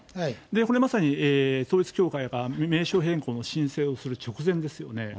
これ、まさに統一教会が名称変更の申請をする直前ですよね。